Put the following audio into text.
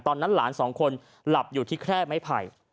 ตอนนั้นหลานสองคนหลับอยู่ที่แค่ไม้ไผ่